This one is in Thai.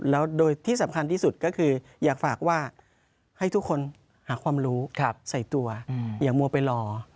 แล้วโดยที่สำคัญที่สุดก็คืออยากฝากว่าให้ทุกคนหาความรู้ใส่ตัวอย่ามัวไปรอ